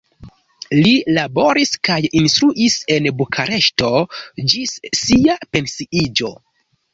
Li laboris kaj instruis en Bukareŝto ĝis sia pensiiĝo.